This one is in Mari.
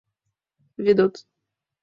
Ведот.